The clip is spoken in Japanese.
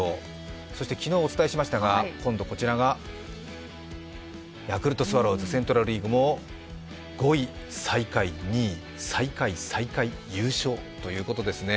そして昨日お伝えしましたが今度、こちらがヤクルトスワローズセントラル・リーグも５位、最下位、２位、最下位、最下位、優勝ということですね。